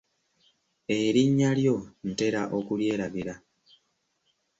Erinnya lyo ntera okulyerabira.